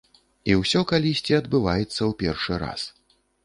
І ўсё калісьці адбываецца ў першы раз.